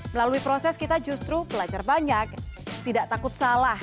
melalui proses kita justru belajar banyak tidak takut salah